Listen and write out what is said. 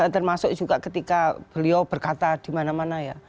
termasuk juga ketika beliau berkata di mana mana ya